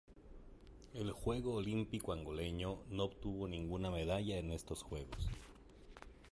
El equipo olímpico angoleño no obtuvo ninguna medalla en estos Juegos.